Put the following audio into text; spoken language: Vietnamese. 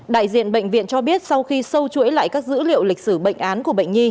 đại diện bệnh viện cho biết sau khi sâu chuỗi lại các dữ liệu lịch sử bệnh án của bệnh nhi